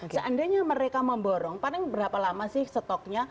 seandainya mereka memborong paling berapa lama sih stoknya